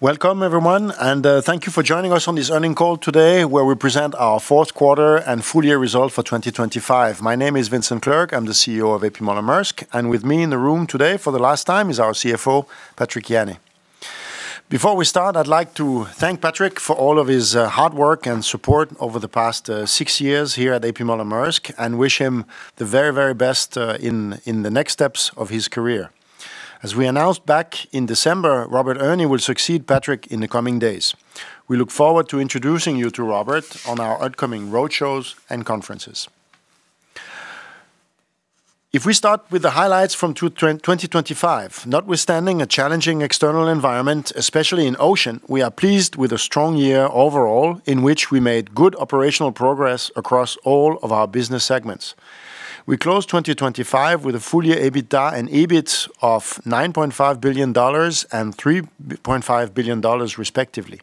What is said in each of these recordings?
Welcome everyone, and thank you for joining us on this earnings call today, where we present our fourth quarter and full year result for 2025. My name is Vincent Clerc, I'm the CEO of A.P. Moller - Maersk, and with me in the room today, for the last time, is our CFO, Patrick Jany. Before we start, I'd like to thank Patrick for all of his hard work and support over the past six years here at A.P. Moller - Maersk, and wish him the very, very best in the next steps of his career. As we announced back in December, Robert Erni will succeed Patrick in the coming days. We look forward to introducing you to Robert on our upcoming road shows and conferences. If we start with the highlights from 2025, notwithstanding a challenging external environment, especially in Ocean, we are pleased with a strong year overall, in which we made good operational progress across all of our business segments. We closed 2025 with a full year EBITDA and EBIT of $9.5 billion and $3.5 billion, respectively.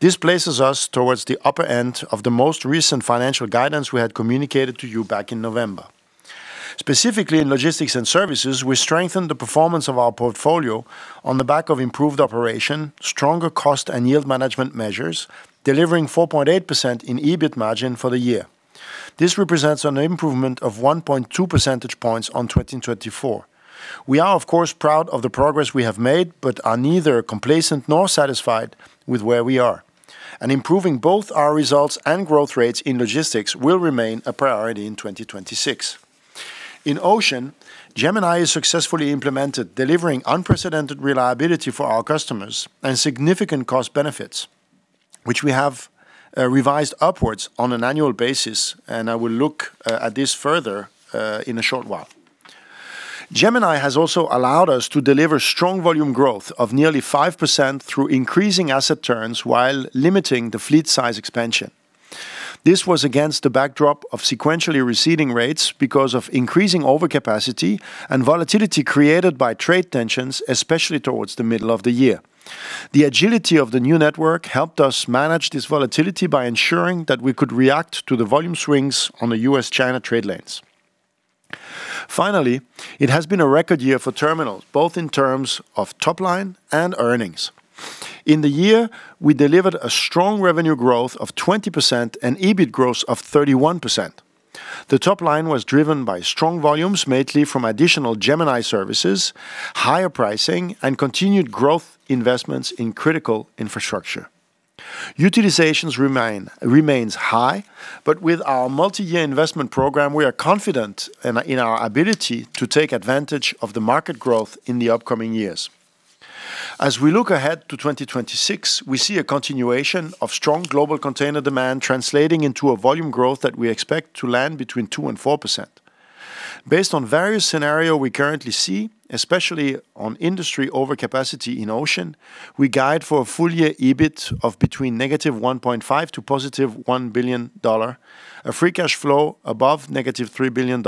This places us towards the upper end of the most recent financial guidance we had communicated to you back in November. Logistics & Services, we strengthened the performance of our portfolio on the back of improved operation, stronger cost and yield management measures, delivering 4.8% in EBIT margin for the year. This represents an improvement of 1.2 percentage points on 2024. We are, of course, proud of the progress we have made, but are neither complacent nor satisfied with where we are. Improving both our results and growth rates in Logistics will remain a priority in 2026. In Ocean, Gemini is successfully implemented, delivering unprecedented reliability for our customers and significant cost benefits, which we have revised upwards on an annual basis, and I will look at this further in a short while. Gemini has also allowed us to deliver strong volume growth of nearly 5% through increasing asset turns, while limiting the fleet size expansion. This was against the backdrop of sequentially receding rates because of increasing overcapacity and volatility created by trade tensions, especially towards the middle of the year. The agility of the new network helped us manage this volatility by ensuring that we could react to the volume swings on the U.S.-China trade lanes. Finally, it has been a record year for Terminals, both in terms of top line and earnings. In the year, we delivered a strong revenue growth of 20% and EBIT growth of 31%. The top line was driven by strong volumes, mainly from additional Gemini services, higher pricing, and continued growth investments in critical infrastructure. Utilizations remains high, but with our multi-year investment program, we are confident in our ability to take advantage of the market growth in the upcoming years. As we look ahead to 2026, we see a continuation of strong global container demand translating into a volume growth that we expect to land between 2% and 4%. Based on various scenario we currently see, especially on industry overcapacity in Ocean, we guide for a full year EBIT of between -$1.5 billion-+$1 billion, a free cash flow above -$3 billion,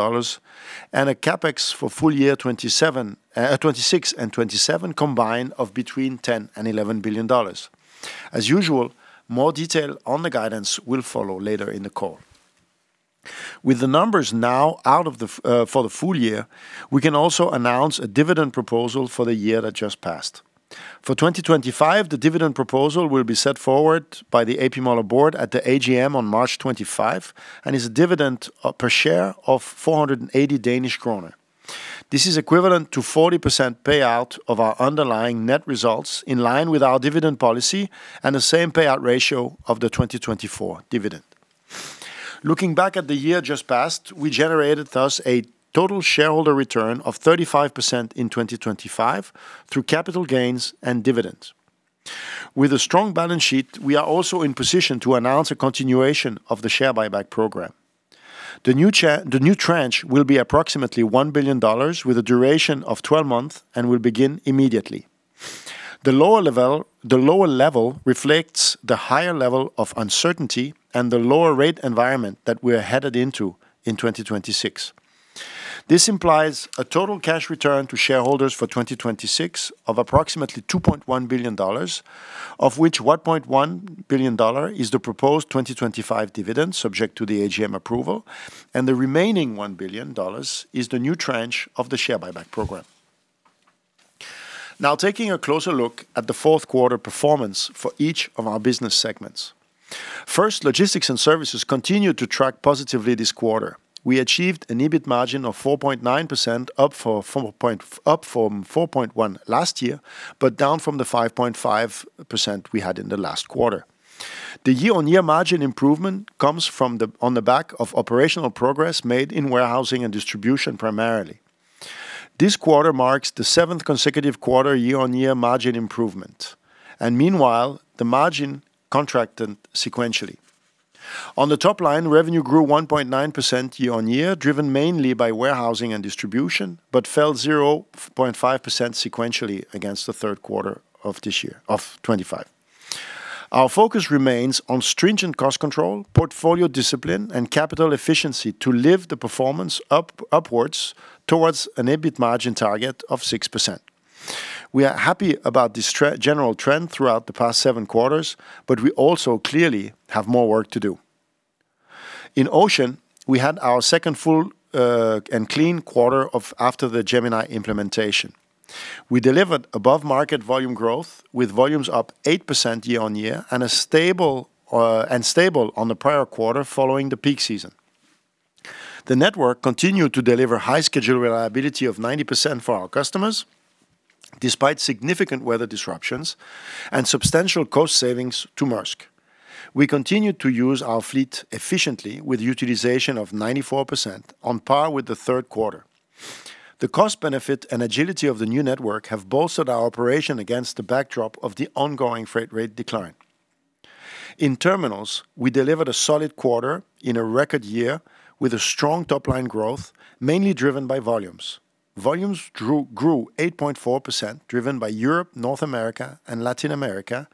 and a CapEx for full year 2027, 2026 and 2027 combined of between $10 billion and $11 billion. As usual, more detail on the guidance will follow later in the call. With the numbers now out of the way for the full year, we can also announce a dividend proposal for the year that just passed. For 2025, the dividend proposal will be set forward by the A.P. Moller Board at the AGM on March 25, and is a dividend per share of 480 Danish kroner. This is equivalent to 40% payout of our underlying net results, in line with our dividend policy and the same payout ratio of the 2024 dividend. Looking back at the year just passed, we generated thus a total shareholder return of 35% in 2025 through capital gains and dividends. With a strong balance sheet, we are also in position to announce a continuation of the share buyback program. The new tranche will be approximately $1 billion, with a duration of 12 months and will begin immediately. The lower level reflects the higher level of uncertainty and the lower rate environment that we are headed into in 2026. This implies a total cash return to shareholders for 2026 of approximately $2.1 billion, of which $1.1 billion is the proposed 2025 dividend, subject to the AGM approval, and the remaining $1 billion is the new tranche of the share buyback program. Now, taking a closer look at the fourth quarter performance for each of our business segments. First, Logistics & Services continued to track positively this quarter. We achieved an EBIT margin of 4.9%, up from 4.1% last year, but down from the 5.5% we had in the last quarter. The year-on-year margin improvement comes from on the back of operational progress made in warehousing and distribution, primarily. This quarter marks the seventh consecutive quarter year-on-year margin improvement, and meanwhile, the margin contracted sequentially. On the top line, revenue grew 1.9% YoY, driven mainly by warehousing and distribution, but fell 0.5% sequentially against the third quarter of this year, of 2025. Our focus remains on stringent cost control, portfolio discipline, and capital efficiency to lift the performance upwards towards an EBIT margin target of 6%. We are happy about this general trend throughout the past 7 quarters, but we also clearly have more work to do. In Ocean, we had our second full and clean quarter after the Gemini implementation. We delivered above-market volume growth, with volumes up 8% YoY and stable on the prior quarter following the peak season. The network continued to deliver high schedule reliability of 90% for our customers, despite significant weather disruptions and substantial cost savings to Maersk. We continued to use our fleet efficiently, with utilization of 94%, on par with the third quarter. The cost benefit and agility of the new network have bolstered our operation against the backdrop of the ongoing freight rate decline. In Terminals, we delivered a solid quarter in a record year with a strong top-line growth, mainly driven by volumes. Volumes grew 8.4%, driven by Europe, North America, and Latin America,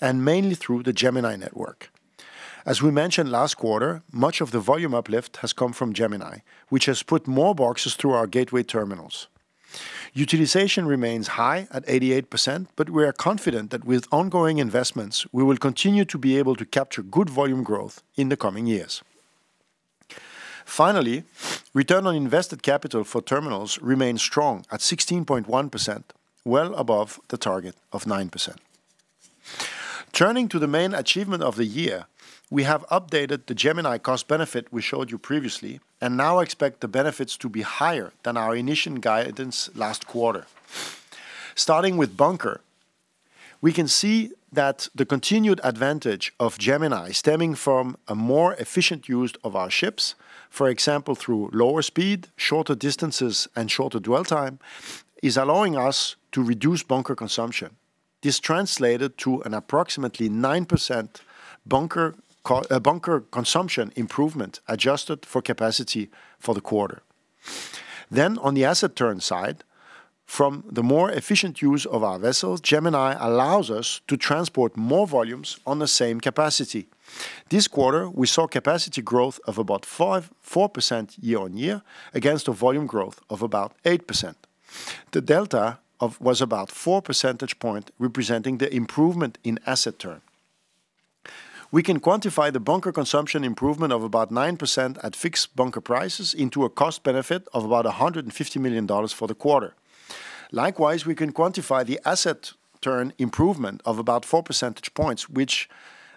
and mainly through the Gemini network. As we mentioned last quarter, much of the volume uplift has come from Gemini, which has put more boxes through our gateway terminals. Utilization remains high at 88%, but we are confident that with ongoing investments, we will continue to be able to capture good volume growth in the coming years. Finally, return on invested capital for Terminals remains strong at 16.1%, well above the target of 9%. Turning to the main achievement of the year, we have updated the Gemini cost benefit we showed you previously, and now expect the benefits to be higher than our initial guidance last quarter. Starting with bunker, we can see that the continued advantage of Gemini, stemming from a more efficient use of our ships, for example, through lower speed, shorter distances, and shorter dwell time, is allowing us to reduce bunker consumption. This translated to an approximately 9% bunker consumption improvement, adjusted for capacity for the quarter. Then on the asset turn side, from the more efficient use of our vessels, Gemini allows us to transport more volumes on the same capacity. This quarter, we saw capacity growth of about 4% YoY, against a volume growth of about 8%. The delta was about 4 percentage points, representing the improvement in asset turn. We can quantify the bunker consumption improvement of about 9% at fixed bunker prices into a cost benefit of about $150 million for the quarter. Likewise, we can quantify the asset turn improvement of about 4 percentage points, which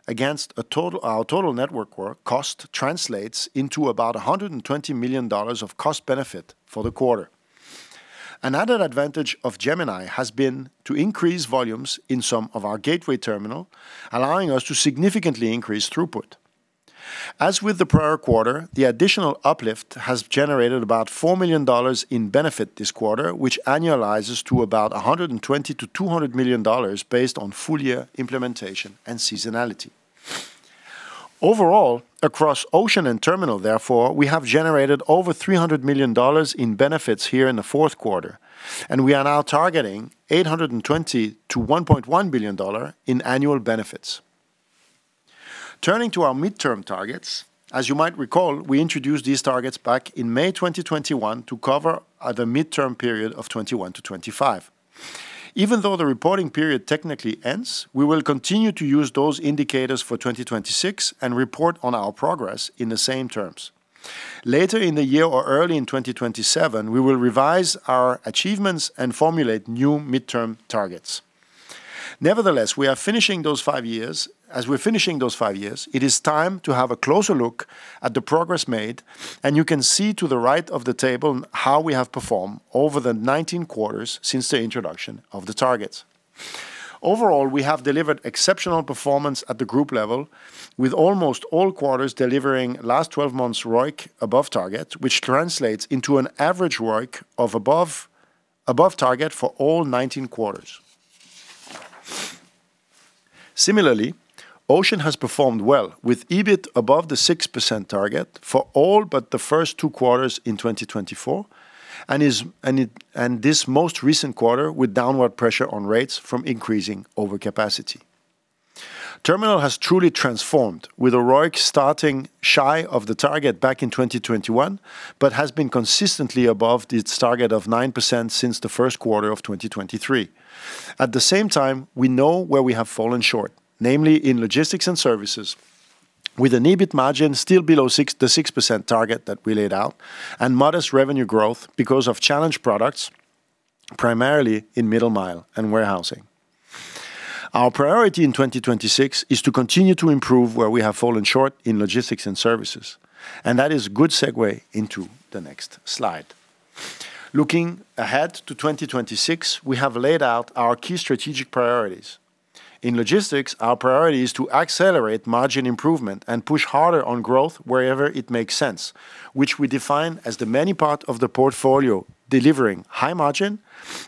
against our total network cost translates into about $120 million of cost benefit for the quarter. Another advantage of Gemini has been to increase volumes in some of our gateway terminals, allowing us to significantly increase throughput. As with the prior quarter, the additional uplift has generated about $4 million in benefit this quarter, which annualizes to about $120 million-$200 million based on full-year implementation and seasonality. Overall, across Ocean and Terminal therefore, we have generated over $300 million in benefits here in the fourth quarter, and we are now targeting $820 million-$1.1 billion in annual benefits. Turning to our midterm targets, as you might recall, we introduced these targets back in May 2021 to cover the midterm period of 2021 to 2025. Even though the reporting period technically ends, we will continue to use those indicators for 2026 and report on our progress in the same terms. Later in the year or early in 2027, we will revise our achievements and formulate new midterm targets. Nevertheless, we are finishing those 5 years. As we're finishing those 5 years, it is time to have a closer look at the progress made, and you can see to the right of the table how we have performed over the 19 quarters since the introduction of the targets. Overall, we have delivered exceptional performance at the group level, with almost all quarters delivering last 12 months ROIC above target, which translates into an average ROIC above target for all 19 quarters. Similarly, Ocean has performed well, with EBIT above the 6% target for all but the first 2 quarters in 2024, and this most recent quarter with downward pressure on rates from increasing over capacity. Terminals has truly transformed, with ROIC starting shy of the target back in 2021, but has been consistently above its target of 9% since the first quarter of 2023. At the same time, we know where we have fallen short, Logistics & Services, with an EBIT margin still below 6%, the 6% target that we laid out, and modest revenue growth because of challenged products, primarily in middle mile and warehousing. Our priority in 2026 is to continue to improve where we have fallen Logistics & Services, and that is a good segue into the next slide. Looking ahead to 2026, we have laid out our key strategic priorities. In Logistics, our priority is to accelerate margin improvement and push harder on growth wherever it makes sense, which we define as the many part of the portfolio delivering high margin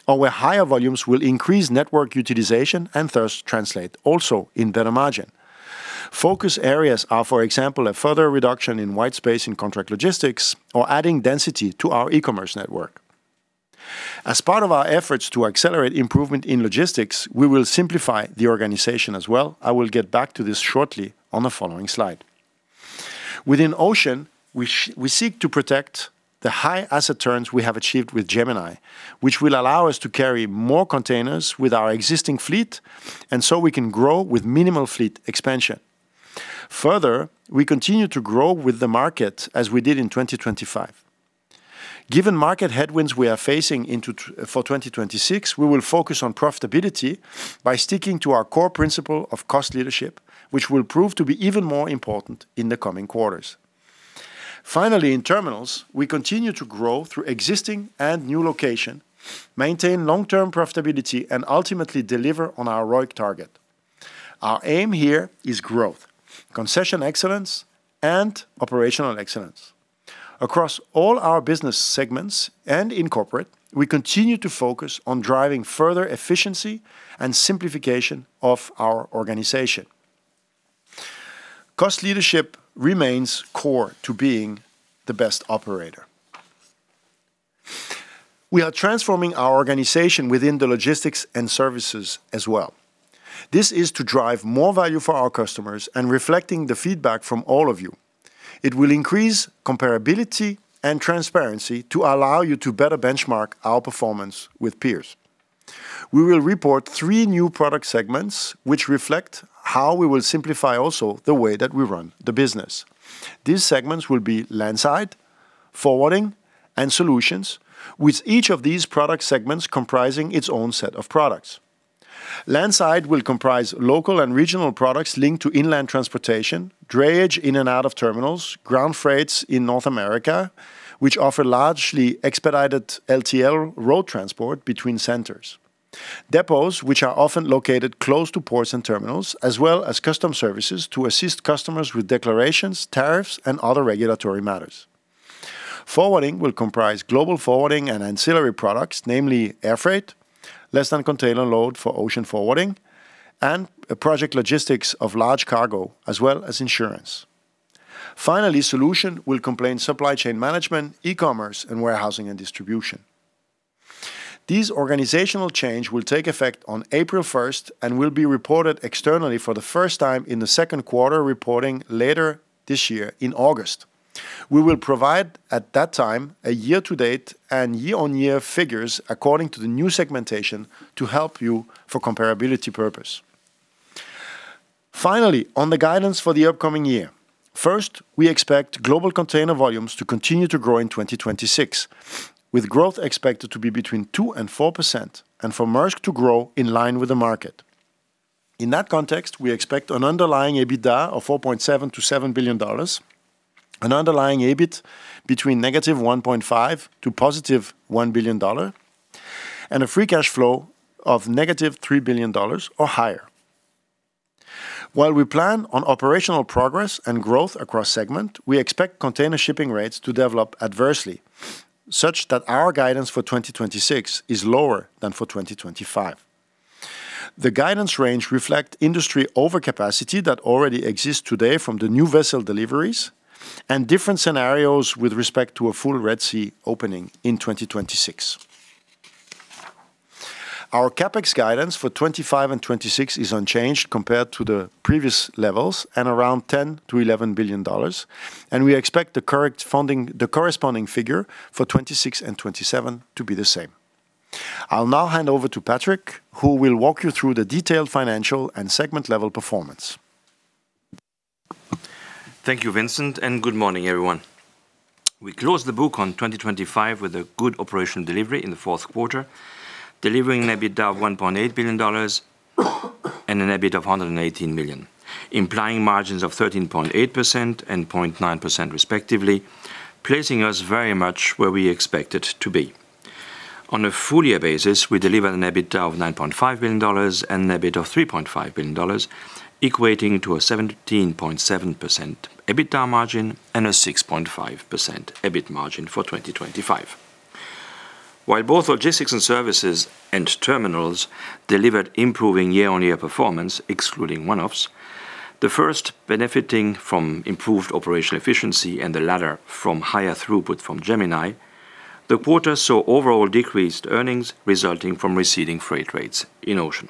or where higher volumes will increase network utilization and thus translate also in better margin. Focus areas are, for example, a further reduction in white space in contract logistics or adding density to our e-commerce network. As part of our efforts to accelerate improvement in Logistics, we will simplify the organization as well. I will get back to this shortly on the following slide. Within Ocean, we seek to protect the high asset turns we have achieved with Gemini, which will allow us to carry more containers with our existing fleet, and so we can grow with minimal fleet expansion. Further, we continue to grow with the market as we did in 2025. Given market headwinds we are facing into 2026, we will focus on profitability by sticking to our core principle of cost leadership, which will prove to be even more important in the coming quarters. Finally, in Terminals, we continue to grow through existing and new location, maintain long-term profitability, and ultimately deliver on our ROIC target. Our aim here is growth, concession excellence, and operational excellence. Across all our business segments and in corporate, we continue to focus on driving further efficiency and simplification of our organization. Cost leadership remains core to being the best operator. We are transforming our organization Logistics & Services as well. This is to drive more value for our customers and reflecting the feedback from all of you. It will increase comparability and transparency to allow you to better benchmark our performance with peers. We will report three new product segments, which reflect how we will simplify also the way that we run the business. These segments will be Landside, Forwarding, and Solutions, with each of these product segments comprising its own set of products. Landside will comprise local and regional products linked to inland transportation, drayage in and out of terminals, ground freights in North America, which offer largely expedited LTL road transport between centers. Depots, which are often located close to ports and terminals, as well as customs services to assist customers with declarations, tariffs, and other regulatory matters. Forwarding will comprise Global Forwarding and Ancillary Products, namely air freight, less than container load for Ocean Forwarding, and project logistics of large cargo, as well as insurance. Finally, Solutions will comprise supply chain management, e-commerce, and warehousing and distribution. These organizational change will take effect on April first, and will be reported externally for the first time in the second quarter, reporting later this year in August. We will provide, at that time, a year to date and year-on-year figures according to the new segmentation to help you for comparability purpose. Finally, on the guidance for the upcoming year, first, we expect global container volumes to continue to grow in 2026, with growth expected to be between 2% and 4%, and for Maersk to grow in line with the market. In that context, we expect an underlying EBITDA of $4.7 billion-$7 billion, an underlying EBIT between -$1.5 billion- +$1 billion, and a free cash flow of -$3 billion or higher. While we plan on operational progress and growth across segment, we expect container shipping rates to develop adversely, such that our guidance for 2026 is lower than for 2025. The guidance range reflect industry overcapacity that already exists today from the new vessel deliveries and different scenarios with respect to a full Red Sea opening in 2026. Our CapEx guidance for 2025 and 2026 is unchanged compared to the previous levels and around $10 billion-$11 billion, and we expect the CapEx funding, the corresponding figure for 2026 and 2027 to be the same. I'll now hand over to Patrick, who will walk you through the detailed financial and segment-level performance. Thank you, Vincent, and good morning, everyone. We closed the book on 2025 with a good operational delivery in the fourth quarter, delivering an EBITDA of $1.8 billion and an EBIT of $118 million, implying margins of 13.8% and 0.9% respectively, placing us very much where we expected to be. On a full year basis, we delivered an EBITDA of $9.5 billion and an EBIT of $3.5 billion, equating to a 17.7% EBITDA margin and a 6.5% EBIT margin for 2025. While both Logistics & Services and Terminals delivered improving year-on-year performance, excluding one-offs, the first benefiting from improved operational efficiency and the latter from higher throughput from Gemini, the quarter saw overall decreased earnings resulting from receding freight rates in Ocean.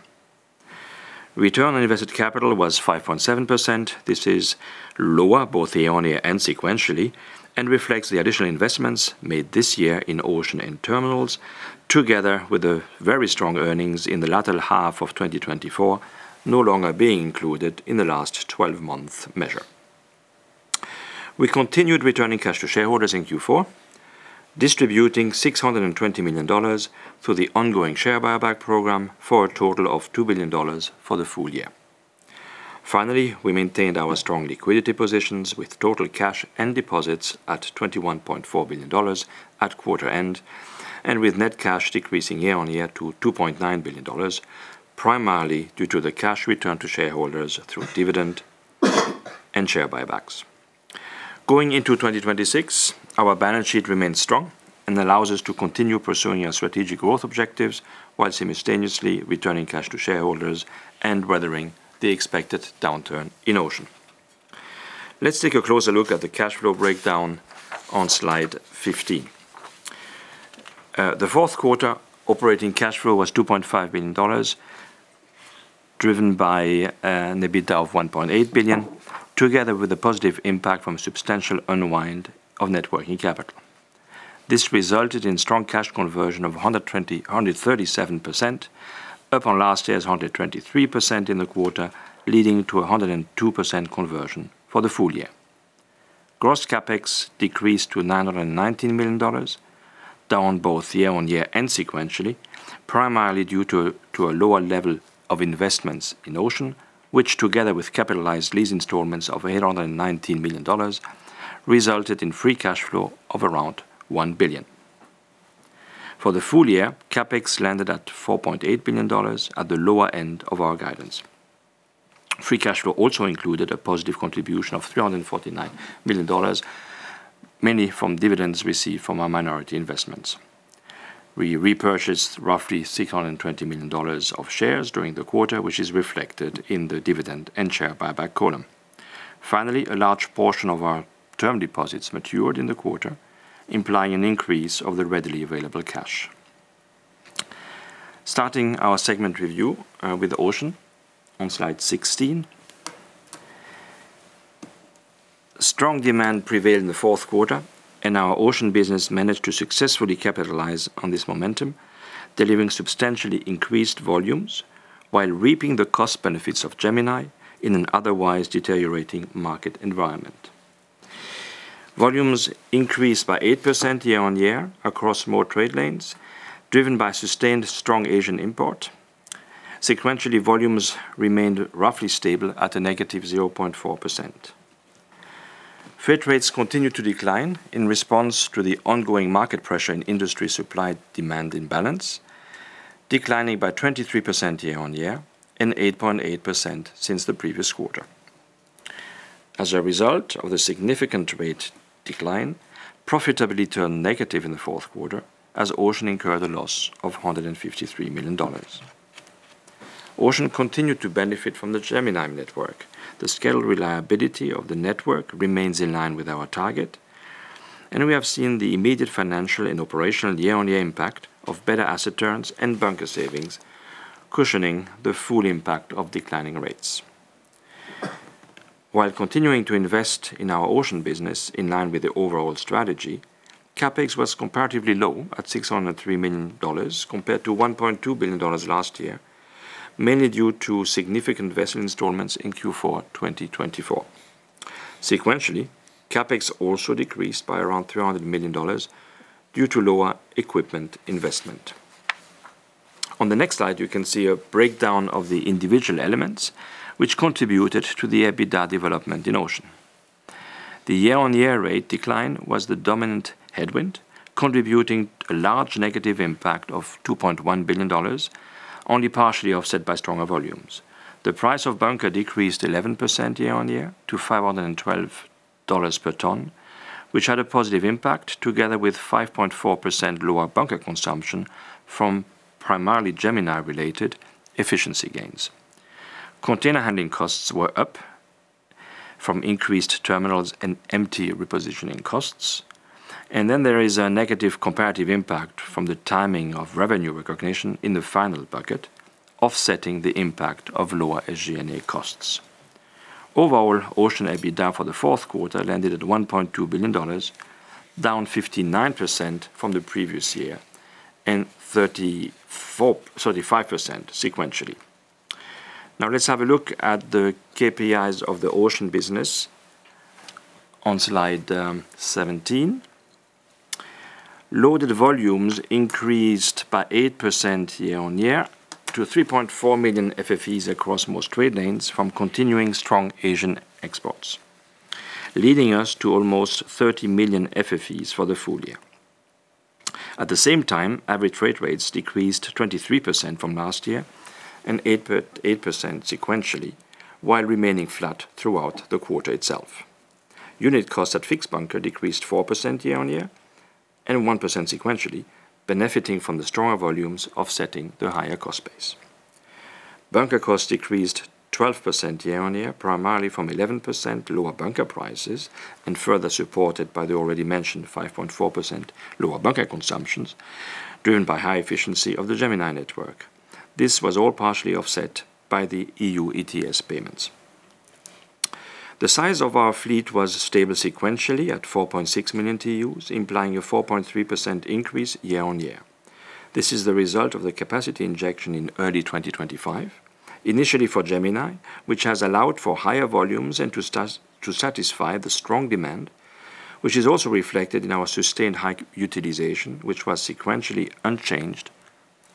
Return on Invested Capital was 5.7%. This is lower, both year-on-year and sequentially, and reflects the additional investments made this year in Ocean and Terminals, together with the very strong earnings in the latter half of 2024, no longer being included in the last twelve-month measure. We continued returning cash to shareholders in Q4, distributing $620 million through the ongoing share buyback program for a total of $2 billion for the full year. Finally, we maintained our strong liquidity positions with total cash and deposits at $21.4 billion at quarter end, and with net cash decreasing year on year to $2.9 billion, primarily due to the cash return to shareholders through dividend- and share buybacks. Going into 2026, our balance sheet remains strong and allows us to continue pursuing our strategic growth objectives while simultaneously returning cash to shareholders and weathering the expected downturn in Ocean. Let's take a closer look at the cash flow breakdown on Slide 15. The fourth quarter operating cash flow was $2.5 billion, driven by an EBITDA of $1.8 billion, together with a positive impact from substantial unwind of net working capital. This resulted in strong cash conversion of 137%, up on last year's 123% in the quarter, leading to a 102% conversion for the full year. Gross CapEx decreased to $919 million, down both year-over-year and sequentially, primarily due to a lower level of investments in Ocean, which together with capitalized lease installments of $819 million, resulted in free cash flow of around $1 billion. For the full year, CapEx landed at $4.8 billion, at the lower end of our guidance. Free cash flow also included a positive contribution of $349 million, mainly from dividends received from our minority investments. We repurchased roughly $620 million of shares during the quarter, which is reflected in the dividend and share buyback column. Finally, a large portion of our term deposits matured in the quarter, implying an increase of the readily available cash. Starting our segment review with Ocean on Slide 16. Strong demand prevailed in the fourth quarter, and our Ocean business managed to successfully capitalize on this momentum, delivering substantially increased volumes while reaping the cost benefits of Gemini in an otherwise deteriorating market environment. Volumes increased by 8% YoY across more trade lanes, driven by sustained strong Asian import. Sequentially, volumes remained roughly stable at a negative 0.4%. Freight rates continued to decline in response to the ongoing market pressure and industry supply-demand imbalance, declining by 23% YoY and 8.8% since the previous quarter. As a result of the significant rate decline, profitability turned negative in the fourth quarter, as Ocean incurred a loss of $153 million. Ocean continued to benefit from the Gemini network. The schedule reliability of the network remains in line with our target, and we have seen the immediate financial and operational year-on-year impact of better asset turns and bunker savings, cushioning the full impact of declining rates. While continuing to invest in our Ocean business in line with the overall strategy, CapEx was comparatively low at $603 million, compared to $1.2 billion last year, mainly due to significant vessel installments in Q4 2024. Sequentially, CapEx also decreased by around $300 million due to lower equipment investment. On the next slide, you can see a breakdown of the individual elements which contributed to the EBITDA development in Ocean. The year-on-year rate decline was the dominant headwind, contributing a large negative impact of $2.1 billion, only partially offset by stronger volumes. The price of bunker decreased 11% YoY to $512 per ton, which had a positive impact, together with 5.4% lower bunker consumption from primarily Gemini-related efficiency gains. Container handling costs were up from increased terminals and empty repositioning costs, and then there is a negative comparative impact from the timing of revenue recognition in the final bucket, offsetting the impact of lower SG&A costs. Overall, Ocean EBITDA for the fourth quarter landed at $1.2 billion, down 59% from the previous year and 34, 35% sequentially. Now, let's have a look at the KPIs of the Ocean business on Slide 17. Loaded volumes increased by 8% YoY to 3.4 million FFEs across most trade lanes from continuing strong Asian exports, leading us to almost 30 million FFEs for the full year. At the same time, average freight rates decreased 23% from last year and 8% sequentially, while remaining flat throughout the quarter itself. Unit cost at fixed bunker decreased 4% YoY and 1% sequentially, benefiting from the stronger volumes offsetting the higher cost base. Bunker costs decreased 12% YoY, primarily from 11% lower bunker prices and further supported by the already mentioned 5.4% lower bunker consumptions, driven by high efficiency of the Gemini network. This was all partially offset by the EU ETS payments. The size of our fleet was stable sequentially at 4.6 million TEUs, implying a 4.3% increase year-on-year. This is the result of the capacity injection in early 2025, initially for Gemini, which has allowed for higher volumes and to satisfy the strong demand, which is also reflected in our sustained high utilization, which was sequentially unchanged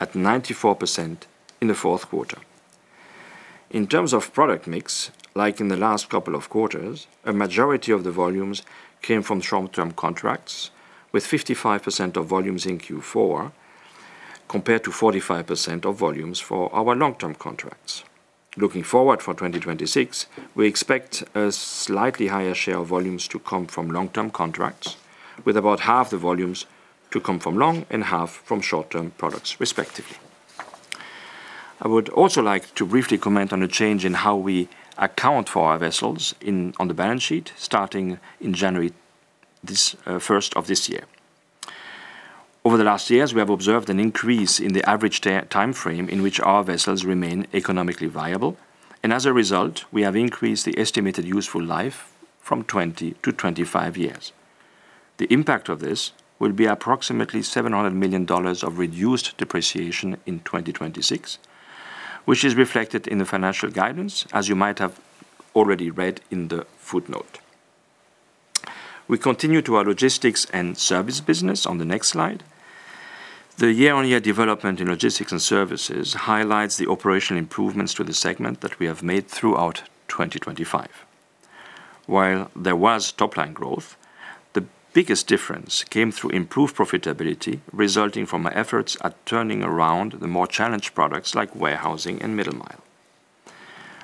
at 94% in the fourth quarter. In terms of product mix, like in the last couple of quarters, a majority of the volumes came from short-term contracts, with 55% of volumes in Q4, compared to 45% of volumes for our long-term contracts. Looking forward for 2026, we expect a slightly higher share of volumes to come from long-term contracts, with about half the volumes to come from long and half from short-term products, respectively.... I would also like to briefly comment on the change in how we account for our vessels in, on the balance sheet, starting in January 1st of this year. Over the last years, we have observed an increase in the average time frame in which our vessels remain economically viable, and as a result, we have increased the estimated useful life from 20 to 25 years. The impact of this will be approximately $700 million of reduced depreciation in 2026, which is reflected in the financial guidance, as you might have already read in the footnote. We continue to our Logistics & Services business on the next slide. The year-on-year development in Logistics & Services highlights the operational improvements to the segment that we have made throughout 2025. While there was top-line growth, the biggest difference came through improved profitability, resulting from our efforts at turning around the more challenged products like warehousing and middle mile.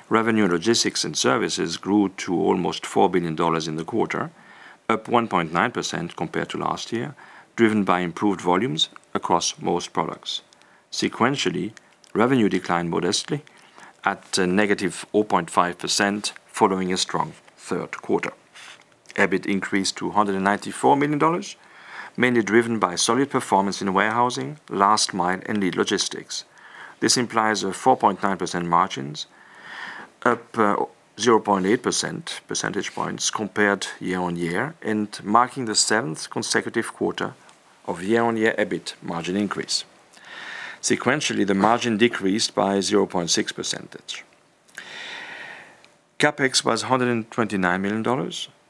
Logistics & Services grew to almost $4 billion in the quarter, up 1.9% compared to last year, driven by improved volumes across most products. Sequentially, revenue declined modestly at -0.5%, following a strong third quarter. EBIT increased to $194 million, mainly driven by solid performance in Warehousing, Last Mile, and Lead Logistics. This implies a 4.9% margins, up 0.8 percentage points compared year-over-year and marking the seventh consecutive quarter of year-over-year EBIT margin increase. Sequentially, the margin decreased by 0.6 percentage. CapEx was $129 million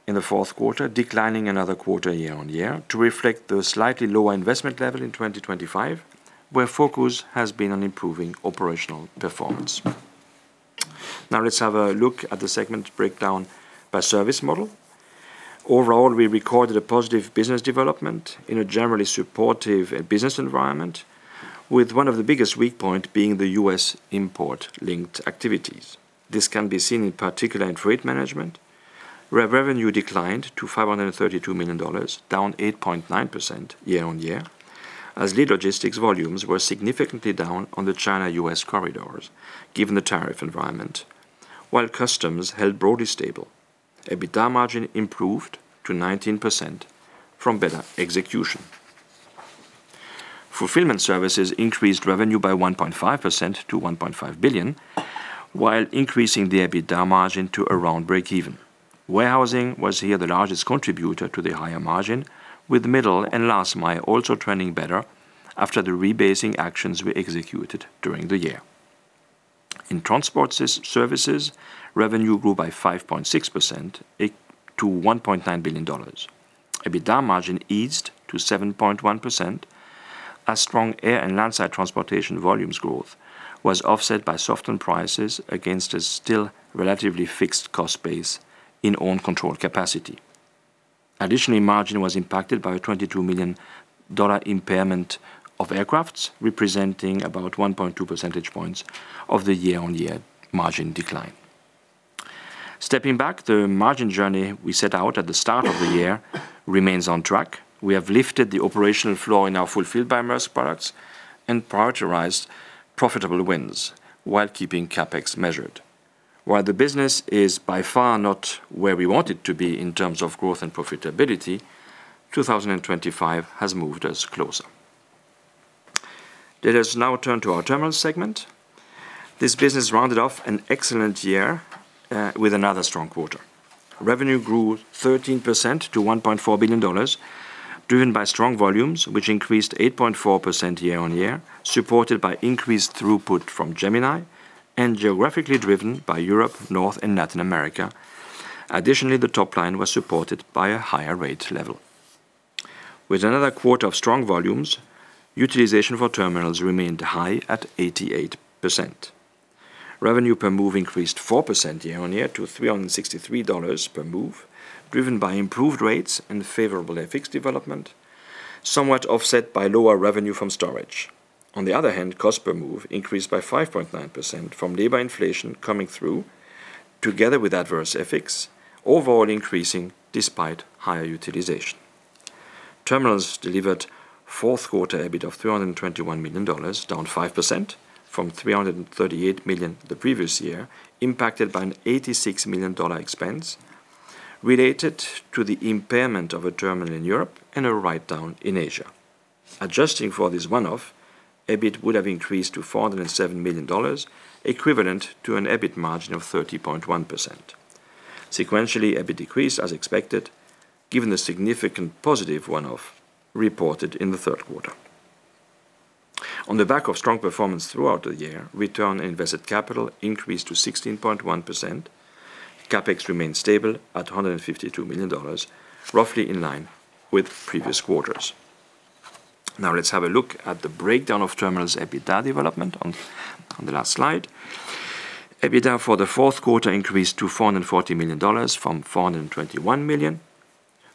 in the fourth quarter, declining another quarter year-over-year to reflect the slightly lower investment level in 2025, where focus has been on improving operational performance. Now, let's have a look at the segment breakdown by service model. Overall, we recorded a positive business development in a generally supportive business environment, with one of the biggest weak point being the U.S. import-linked activities. This can be seen in particular in Freight Management, where revenue declined to $532 million, down 8.9% YoY, as Lead Logistics volumes were significantly down on the China-U.S. corridors, given the tariff environment, while customs held broadly stable. EBITDA margin improved to 19% from better execution. Fulfillment services increased revenue by 1.5% to $1.5 billion, while increasing the EBITDA margin to around breakeven. Warehousing was here the largest contributor to the higher margin, with middle and last mile also trending better after the rebasing actions were executed during the year. In transport services, revenue grew by 5.6% to $1.9 billion. EBITDA margin eased to 7.1%, as strong air and Landside transportation volumes growth was offset by softened prices against a still relatively fixed cost base in own controlled capacity. Additionally, margin was impacted by a $22 million impairment of aircrafts, representing about 1.2 percentage points of the year-on-year margin decline. Stepping back, the margin journey we set out at the start of the year remains on track. We have lifted the operational flow in our Fulfilled by Maersk products and prioritized profitable wins while keeping CapEx measured. While the business is by far not where we want it to be in terms of growth and profitability, 2025 has moved us closer. Let us now turn to our Terminal segment. This business rounded off an excellent year with another strong quarter. Revenue grew 13% to $1.4 billion, driven by strong volumes, which increased 8.4% YoY, supported by increased throughput from Gemini and geographically driven by Europe, North America, and Latin America. Additionally, the top line was supported by a higher rate level. With another quarter of strong volumes, utilization for Terminals remained high at 88%. Revenue per move increased 4% YoY to $363 per move, driven by improved rates and favorable FX development, somewhat offset by lower revenue from storage. On the other hand, cost per move increased by 5.9% from labor inflation coming through, together with adverse FX, overall increasing despite higher utilization. Terminals delivered fourth quarter EBIT of $321 million, down 5% from $338 million the previous year, impacted by an $86 million expense related to the impairment of a terminal in Europe and a write-down in Asia. Adjusting for this one-off, EBIT would have increased to $407 million, equivalent to an EBIT margin of 30.1%. Sequentially, EBIT decreased as expected, given the significant positive one-off reported in the third quarter. On the back of strong performance throughout the year, return on invested capital increased to 16.1%. CapEx remained stable at $152 million, roughly in line with previous quarters. Now, let's have a look at the breakdown of Terminals EBITDA development on the last slide. EBITDA for the fourth quarter increased to $440 million from $421 million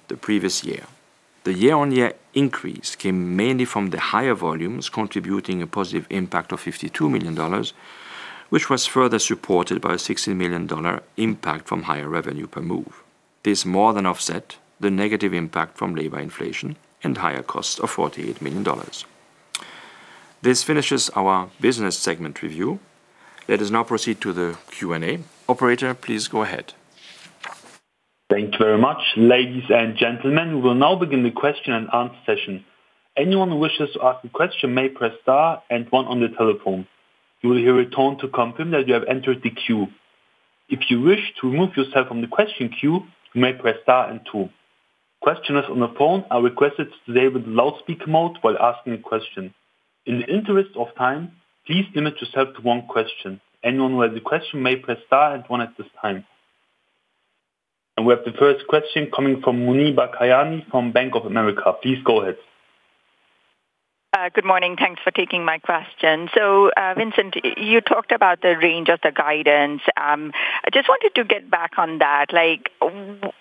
the previous year. The year-on-year increase came mainly from the higher volumes, contributing a positive impact of $52 million, which was further supported by a $60 million impact from higher revenue per move. This more than offset the negative impact from labor inflation and higher costs of $48 million. This finishes our business segment review. Let us now proceed to the Q&A. Operator, please go ahead. Thank you very much. Ladies and gentlemen, we will now begin the question and answer session. Anyone who wishes to ask a question may press star and one on the telephone. You will hear a tone to confirm that you have entered the queue. If you wish to remove yourself from the question queue, you may press star and two. Questioners on the phone are requested to stay with the loudspeaker mode while asking a question. In the interest of time, please limit yourself to one question. Anyone who has a question may press star and one at this time. And we have the first question coming from Muneeba Kayani from Bank of America. Please go ahead. Good morning. Thanks for taking my question. So, Vincent, you talked about the range of the guidance. I just wanted to get back on that. Like,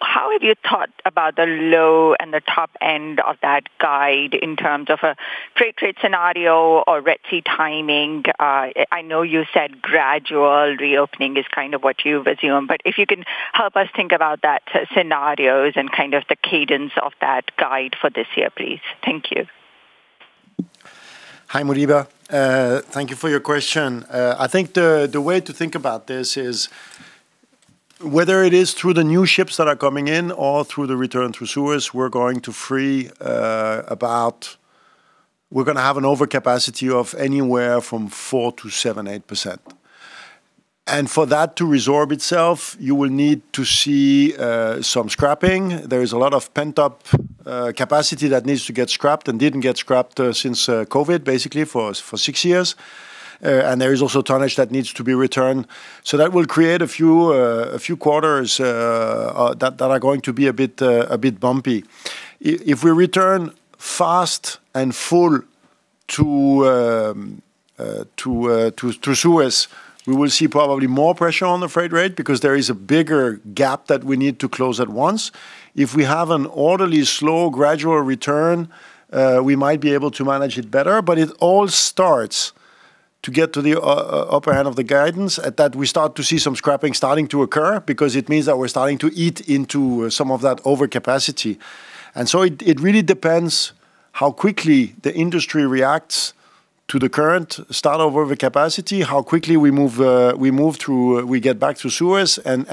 how have you thought about the low and the top end of that guide in terms of a freight rate scenario or Red Sea timing? I know you said gradual reopening is kind of what you assume, but if you can help us think about that scenarios and kind of the cadence of that guide for this year, please. Thank you. Hi, Muneeba. Thank you for your question. I think the way to think about this is whether it is through the new ships that are coming in or through the return through Suez, we're going to free about... We're gonna have an overcapacity of anywhere from 4%-8%. And for that to resolve itself, you will need to see some scrapping. There is a lot of pent-up capacity that needs to get scrapped and didn't get scrapped since COVID, basically for 6 years. And there is also tonnage that needs to be returned. So that will create a few quarters that are going to be a bit bumpy. If we return fast and full to Suez, we will see probably more pressure on the freight rate because there is a bigger gap that we need to close at once. If we have an orderly, slow, gradual return, we might be able to manage it better, but it all starts to get to the upper hand of the guidance. At that, we start to see some scrapping starting to occur because it means that we're starting to eat into some of that overcapacity. And so it really depends how quickly the industry reacts to the current state of overcapacity, how quickly we move through, we get back to Suez and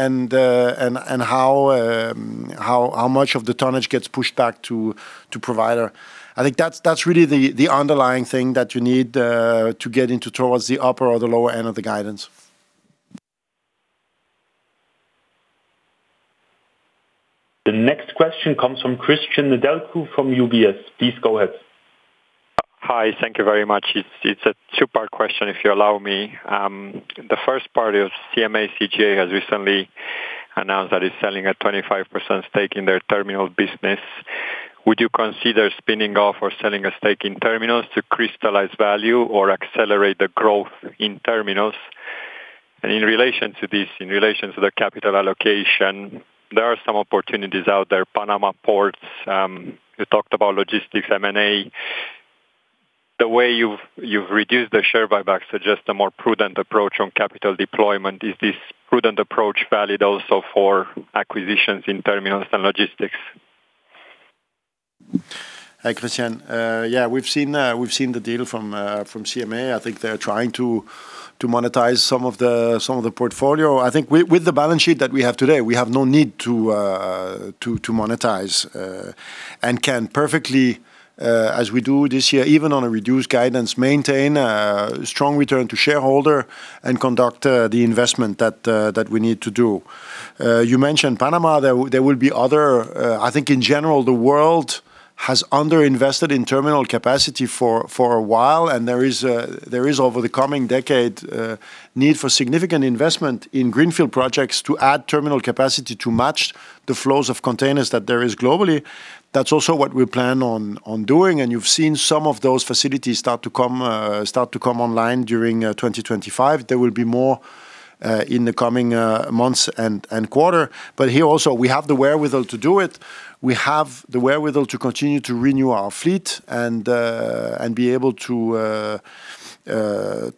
how much of the tonnage gets pushed back to Suez. I think that's really the underlying thing that you need to get into towards the upper or the lower end of the guidance. The next question comes from Cristian Nedelcu from UBS. Please go ahead. Hi, thank you very much. It's a two-part question, if you allow me. The first part is CMA CGM has recently announced that it's selling a 25% stake in their Terminal business. Would you consider spinning off or selling a stake in Terminals to crystallize value or accelerate the growth in Terminals? And in relation to this, in relation to the capital allocation, there are some opportunities out there, Panama Ports. You talked about logistics, M&A. The way you've reduced the share buyback suggests a more prudent approach on capital deployment. Is this prudent approach valid also for acquisitions in Terminals and logistics? Hi, Cristian. Yeah, we've seen, we've seen the deal from CMA. I think they're trying to monetize some of the, some of the portfolio. I think with the balance sheet that we have today, we have no need to monetize and can perfectly, as we do this year, even on a reduced guidance, maintain a strong return to shareholder and conduct the investment that we need to do. You mentioned Panama. There will be other. I think in general, the world has underinvested in terminal capacity for a while, and there is, over the coming decade, need for significant investment in greenfield projects to add terminal capacity to match the flows of containers that there is globally. That's also what we plan on doing, and you've seen some of those facilities start to come online during 2025. There will be more in the coming months and quarter, but here also, we have the wherewithal to do it. We have the wherewithal to continue to renew our fleet and be able to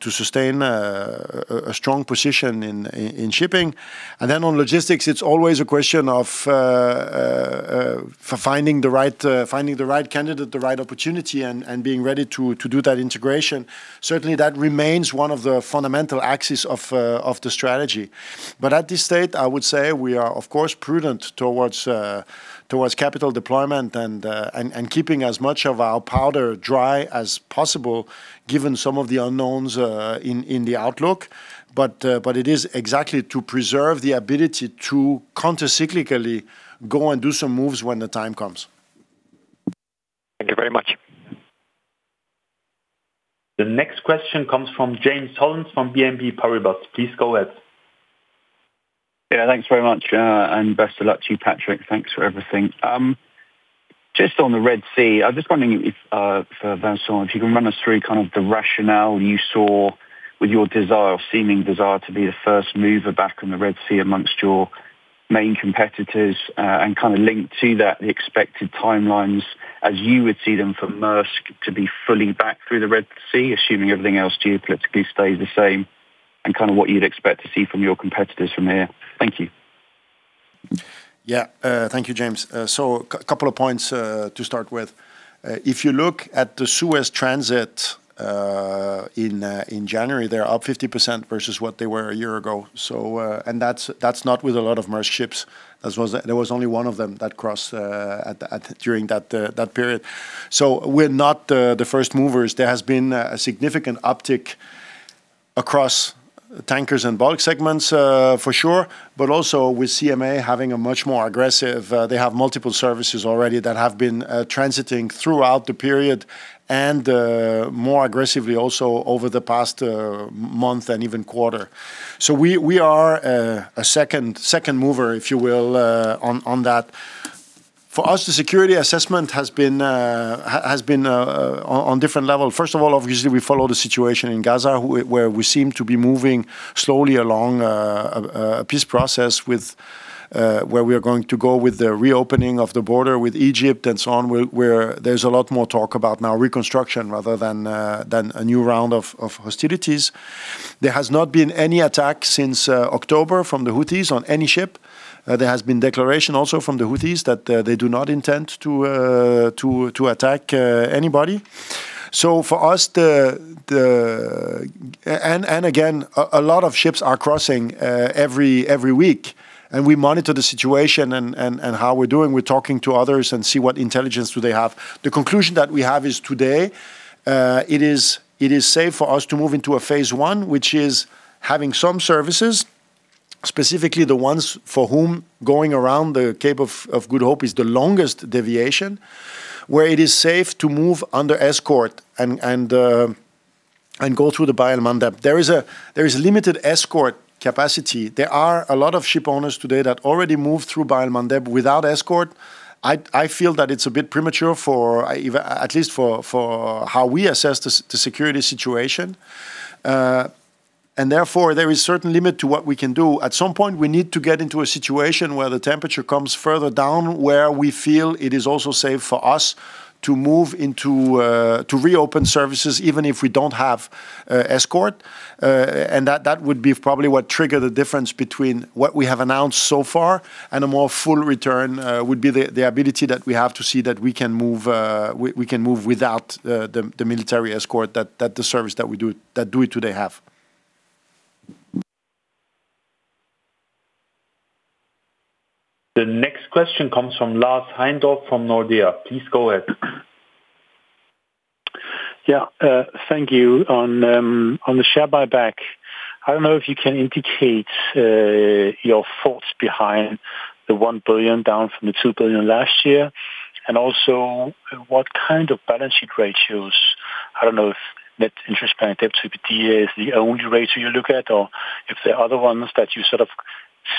sustain a strong position in shipping. And then on logistics, it's always a question of finding the right candidate, the right opportunity, and being ready to do that integration. Certainly, that remains one of the fundamental axes of the strategy. But at this stage, I would say we are, of course, prudent towards capital deployment and keeping as much of our powder dry as possible, given some of the unknowns in the outlook. But it is exactly to preserve the ability to countercyclically go and do some moves when the time comes. Thank you very much. The next question comes from James Hollins from BNP Paribas. Please go ahead. Yeah, thanks very much, and best of luck to you, Patrick. Thanks for everything. Just on the Red Sea, I'm just wondering if, for Vincent, if you can run us through kind of the rationale you saw with your desire or seeming desire to be the first mover back in the Red Sea amongst your main competitors, and kind of link to that the expected timelines, as you would see them for Maersk, to be fully back through the Red Sea, assuming everything else geopolitically stays the same, and kind of what you'd expect to see from your competitors from here? Thank you. Yeah, thank you, James. So couple of points to start with. If you look at the Suez transit in January, they're up 50% versus what they were a year ago. So, and that's not with a lot of Maersk ships. As was, there was only one of them that crossed at the during that period. So we're not the first movers. There has been a significant uptick across tankers and bulk segments for sure, but also with CMA having a much more aggressive. They have multiple services already that have been transiting throughout the period, and more aggressively also over the past month and even quarter. So we are a second mover, if you will, on that. For us, the security assessment has been on different level. First of all, obviously, we follow the situation in Gaza, where we seem to be moving slowly along a peace process with where we are going to go with the reopening of the border with Egypt and so on, where there's a lot more talk about now reconstruction rather than than a new round of hostilities. There has not been any attacks since October from the Houthis on any ship. There has been declaration also from the Houthis that they do not intend to attack anybody. So for us, and again, a lot of ships are crossing every week, and we monitor the situation and how we're doing. We're talking to others and see what intelligence do they have. The conclusion that we have is today, it is safe for us to move into a phase I, which is having some services, specifically the ones for whom going around the Cape of Good Hope is the longest deviation, where it is safe to move under escort and go through the Bab el-Mandeb. There is limited escort capacity. There are a lot of ship owners today that already move through Bab el-Mandeb without escort. I feel that it's a bit premature for even at least for how we assess the security situation, and therefore there is certain limit to what we can do. At some point, we need to get into a situation where the temperature comes further down, where we feel it is also safe for us to move into, to reopen services, even if we don't have escort. And that would be probably what trigger the difference between what we have announced so far and a more full return, would be the ability that we have to see that we can move without the military escort that the service that we do that do it today have. The next question comes from Lars Heindorff from Nordea. Please go ahead. Yeah, thank you. On the share buyback, I don't know if you can indicate your thoughts behind the $1 billion, down from the $2 billion last year, and also, what kind of balance sheet ratios? I don't know if net interest-earned debt to EBITDA is the only ratio you look at or if there are other ones that you sort of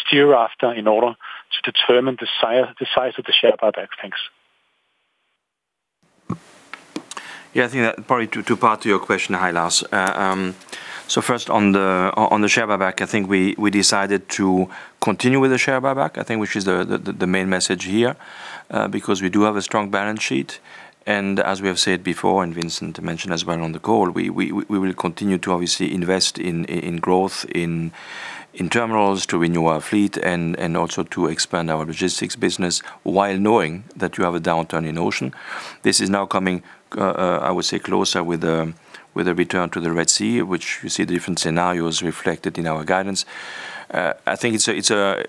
steer after in order to determine the size of the share buyback. Thanks. Yeah, I think that probably two, two part to your question. Hi, Lars. So first on the share buyback, I think we decided to continue with the share buyback, I think, which is the main message here, because we do have a strong balance sheet. And as we have said before, and Vincent mentioned as well on the call, we will continue to obviously invest in growth, in Terminals, to renew our fleet, and also to expand our logistics business, while knowing that you have a downturn in Ocean. This is now coming, I would say, closer with a return to the Red Sea, which you see different scenarios reflected in our guidance. I think it's a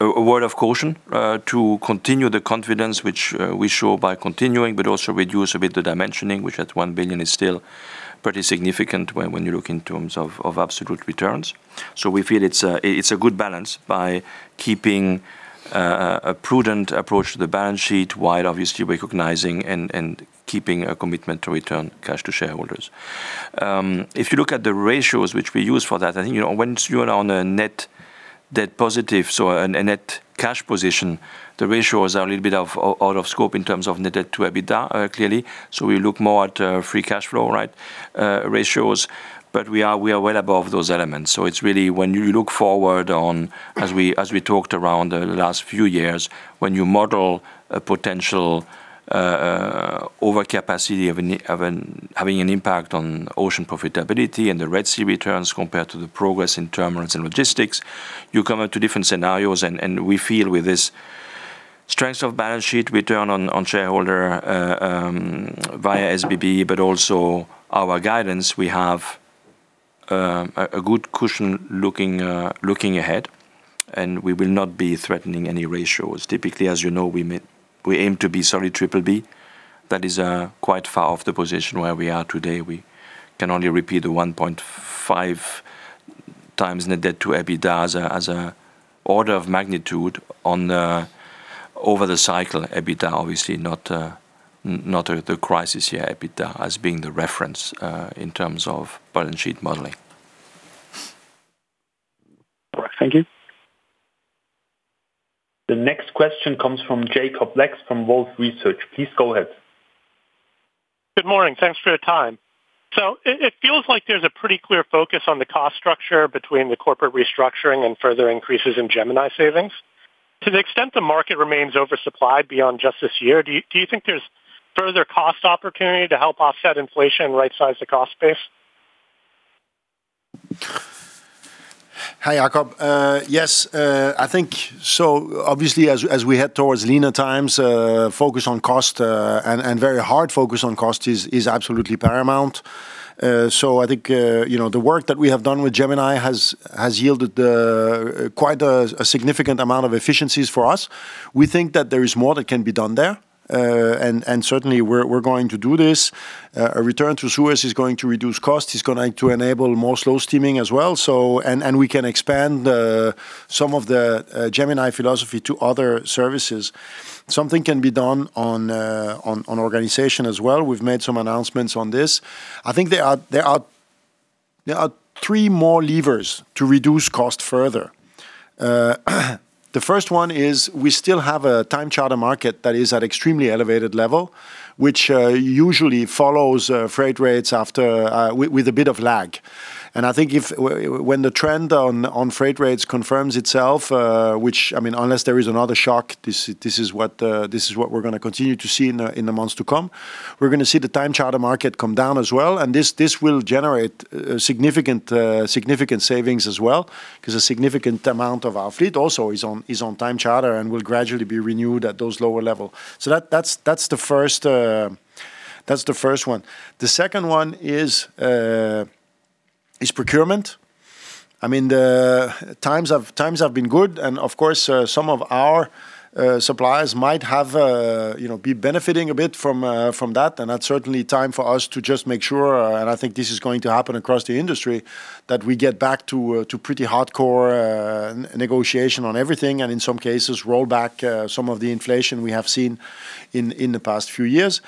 word of caution to continue the confidence which we show by continuing, but also reduce a bit the dimensioning, which at $1 billion is still pretty significant when you look in terms of absolute returns. So we feel it's a good balance by keeping a prudent approach to the balance sheet, while obviously recognizing and keeping a commitment to return cash to shareholders. If you look at the ratios which we use for that, I think, you know, once you are on a net debt positive, so a net cash position, the ratios are a little bit out of scope in terms of net debt to EBITDA, clearly. So we look more at free cash flow ratios, right, but we are well above those elements. So it's really when you look forward on, as we talked around the last few years, when you model a potential overcapacity having an impact on Ocean profitability and the Red Sea returns compared to the progress in Terminals and logistics, you come up to different scenarios. And we feel with this strength of balance sheet, return on shareholder via SBB, but also our guidance. We have a good cushion looking ahead, and we will not be threatening any ratios. Typically, as you know, we may... We aim to be solid triple B. That is quite far off the position where we are today. We can only repeat the 1.5 times net debt to EBITDA as a order of magnitude over the cycle. EBITDA, obviously not, not the crisis year EBITDA as being the reference in terms of balance sheet modeling. All right. Thank you. The next question comes from Jacob Lacks from Wolfe Research. Please go ahead.... Good morning. Thanks for your time. So it feels like there's a pretty clear focus on the cost structure between the corporate restructuring and further increases in Gemini savings. To the extent the market remains oversupplied beyond just this year, do you think there's further cost opportunity to help offset inflation and right-size the cost base? Hi, Jacob. Yes, I think so obviously as we head towards leaner times, focus on cost and very hard focus on cost is absolutely paramount. So I think, you know, the work that we have done with Gemini has yielded quite a significant amount of efficiencies for us. We think that there is more that can be done there. And certainly we're going to do this. A return to Suez is going to reduce cost, is going to enable more slow steaming as well. So... And we can expand some of the Gemini philosophy to other services. Something can be done on organization as well. We've made some announcements on this. I think there are three more levers to reduce cost further. The first one is we still have a time charter market that is at extremely elevated level, which usually follows freight rates after with a bit of lag. And I think if when the trend on freight rates confirms itself, which, I mean, unless there is another shock, this is what we're gonna continue to see in the months to come. We're gonna see the time charter market come down as well, and this will generate significant savings as well, 'cause a significant amount of our fleet also is on time charter and will gradually be renewed at those lower level. So that's the first one. The second one is procurement. I mean, the times have been good and, of course, some of our suppliers might have, you know, be benefiting a bit from, from that, and that's certainly time for us to just make sure, and I think this is going to happen across the industry, that we get back to, to pretty hardcore, negotiation on everything, and in some cases, roll back, some of the inflation we have seen in, in the past few years.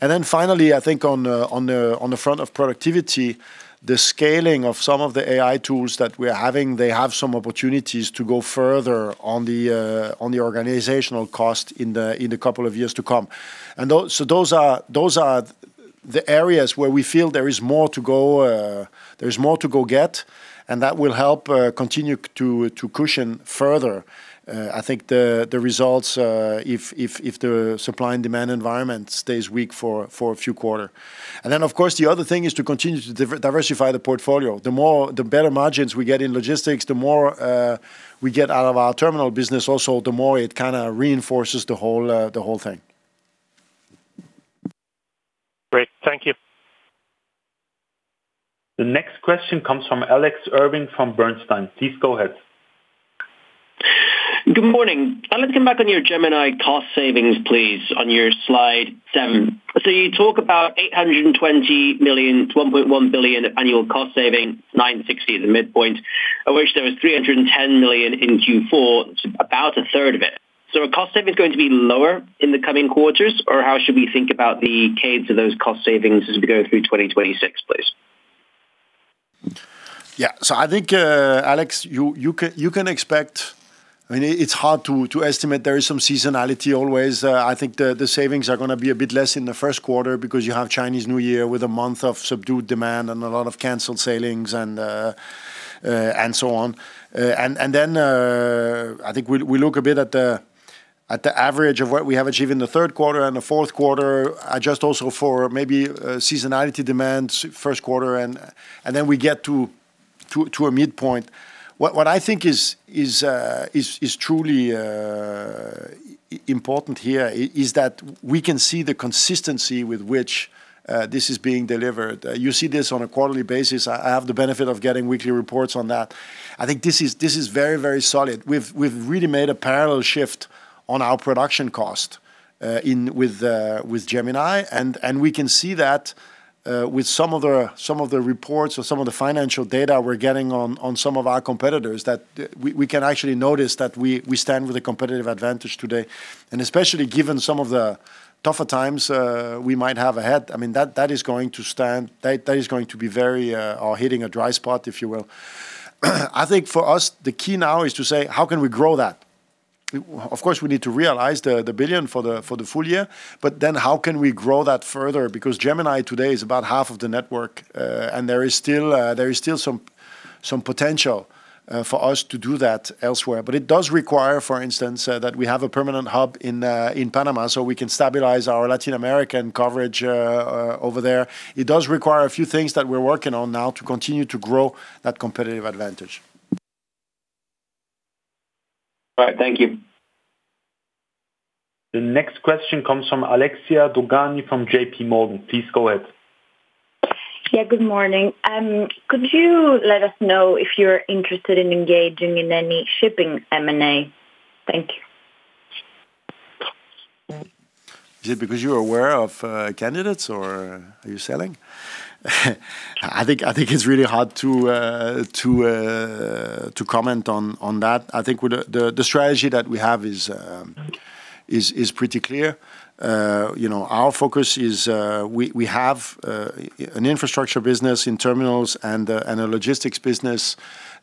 And then finally, I think on the, on the front of productivity, the scaling of some of the AI tools that we are having, they have some opportunities to go further on the, on the organizational cost in the, in the couple of years to come. those are the areas where we feel there is more to go, there's more to go get, and that will help continue to cushion further, I think the results, if the supply and demand environment stays weak for a few quarter. Then, of course, the other thing is to continue to diversify the portfolio. The more the better margins we get in Logistics, the more we get out of our Terminal business also, the more it kind of reinforces the whole thing. Great. Thank you. The next question comes from Alex Irving from Bernstein. Please go ahead. Good morning. I want to come back on your Gemini cost savings, please, on your Slide 7. So you talk about $820 million-$1.1 billion annual cost saving, $960 million the midpoint, of which there was $310 million in Q4, so about a third of it. So are cost savings going to be lower in the coming quarters, or how should we think about the caves of those cost savings as we go through 2026, please? Yeah. So I think, Alex, you can expect... I mean, it's hard to estimate. There is some seasonality always. I think the savings are gonna be a bit less in the first quarter because you have Chinese New Year with a month of subdued demand and a lot of canceled sailings and so on. And then I think we look a bit at the average of what we have achieved in the third quarter and the fourth quarter, adjust also for maybe seasonality demand first quarter, and then we get to a midpoint. What I think is important here is that we can see the consistency with which this is being delivered. You see this on a quarterly basis. I have the benefit of getting weekly reports on that. I think this is very, very solid. We've really made a parallel shift on our production cost in with with Gemini. And we can see that with some of the reports or some of the financial data we're getting on some of our competitors, that we can actually notice that we stand with a competitive advantage today. And especially given some of the tougher times we might have ahead, I mean, that is going to stand, that is going to be very or hitting a dry spot, if you will. I think for us, the key now is to say, how can we grow that? Of course, we need to realize the $1 billion for the full year, but then how can we grow that further? Because Gemini today is about half of the network, and there is still some potential for us to do that elsewhere. But it does require, for instance, that we have a permanent hub in Panama so we can stabilize our Latin American coverage over there. It does require a few things that we're working on now to continue to grow that competitive advantage. All right. Thank you. The next question comes from Alexia Dogani from J.P. Morgan. Please go ahead. Yeah, good morning. Could you let us know if you're interested in engaging in any shipping M&A? Thank you. Is it because you're aware of candidates or are you selling? I think it's really hard to comment on that. I think with the strategy that we have is pretty clear. You know, our focus is we have an infrastructure business in Terminals and a logistics business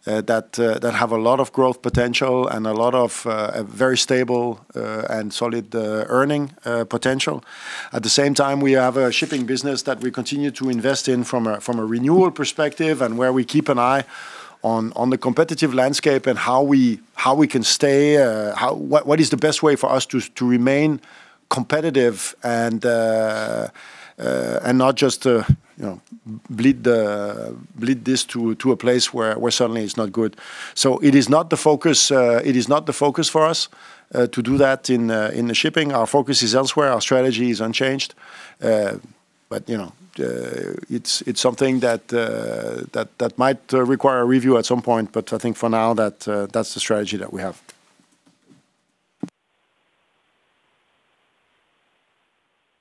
that have a lot of growth potential and a lot of a very stable and solid earning potential. At the same time, we have a shipping business that we continue to invest in from a renewal perspective, and where we keep an eye on the competitive landscape and how we can stay competitive and not just to, you know, bleed this to a place where suddenly it's not good. So it is not the focus, it is not the focus for us to do that in the shipping. Our focus is elsewhere. Our strategy is unchanged. But, you know, it's something that might require a review at some point, but I think for now, that's the strategy that we have.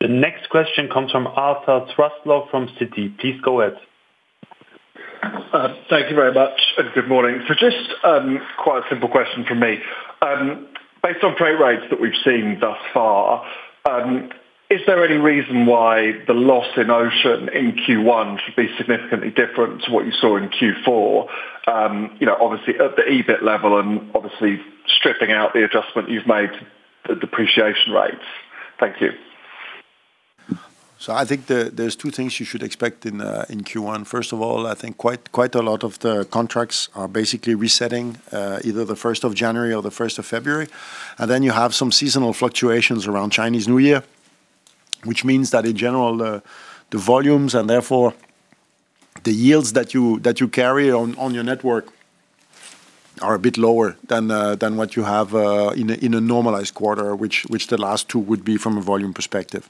The next question comes from Arthur Truslove from Citi. Please go ahead. Thank you very much, and good morning. So just, quite a simple question from me. Based on freight rates that we've seen thus far, is there any reason why the loss in Ocean in Q1 should be significantly different to what you saw in Q4? You know, obviously, at the EBIT level and obviously stripping out the adjustment you've made, the depreciation rates. Thank you. I think there's two things you should expect in Q1. First of all, I think quite, quite a lot of the contracts are basically resetting, either the first of January or the first of February. And then you have some seasonal fluctuations around Chinese New Year, which means that in general, the volumes and therefore the yields that you carry on your network are a bit lower than what you have in a normalized quarter, which the last two would be from a volume perspective.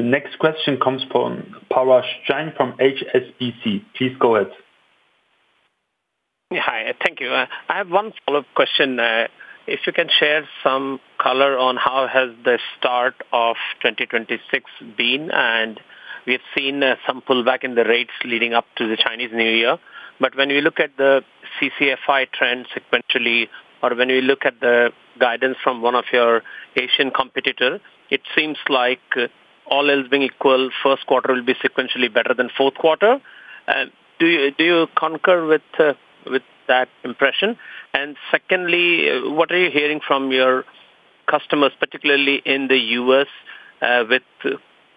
The next question comes from Parash Jain from HSBC. Please go ahead. Hi, thank you. I have one follow-up question. If you can share some color on how has the start of 2026 been? And we've seen some pullback in the rates leading up to the Chinese New Year, but when we look at the CCFI trend sequentially, or when we look at the guidance from one of your Asian competitor, it seems like, all else being equal, first quarter will be sequentially better than fourth quarter. Do you, do you concur with that impression? And secondly, what are you hearing from your customers, particularly in the U.S., with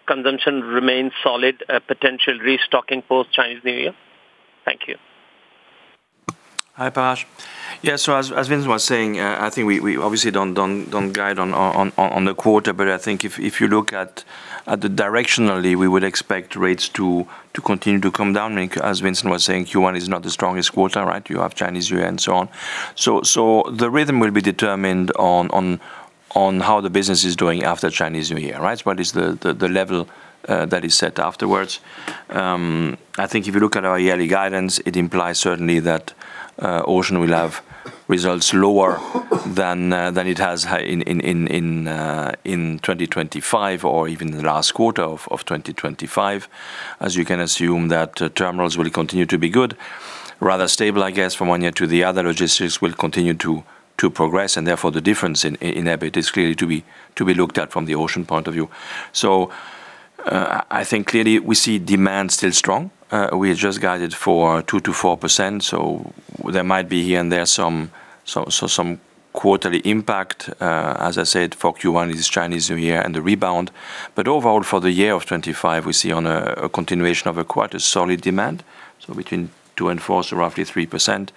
consumption remains solid, a potential restocking post-Chinese New Year? Thank you. Hi, Parash. Yeah, so as Vincent was saying, I think we obviously don't guide on the quarter, but I think if you look at it directionally, we would expect rates to continue to come down. As Vincent was saying, Q1 is not the strongest quarter, right? You have Chinese New Year and so on. So the rhythm will be determined on how the business is doing after Chinese New Year, right? What is the level that is set afterwards. I think if you look at our yearly guidance, it implies certainly that Ocean will have results lower than it has had in 2025 or even the last quarter of 2025. As you can assume, Terminals will continue to be good, rather stable, I guess, from one year to the other. Logistics will continue to progress, and therefore the difference in EBIT is clearly to be looked at from the Ocean point of view. So, I think clearly we see demand still strong. We just guided for 2%-4%, so there might be here and there some quarterly impact. As I said, for Q1, it is Chinese New Year and the rebound. But overall, for the year of 2025, we see a continuation of quite a solid demand, so between 2% and 4%, so roughly 3%,